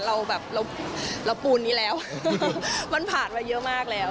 เราแบบเราปูนนี้แล้วมันผ่านมาเยอะมากแล้ว